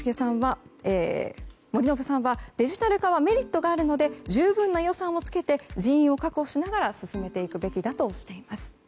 森信さんは、デジタル化はメリットがあるので十分な予算を付けて人員を確保しながら進めていくべきだとしています。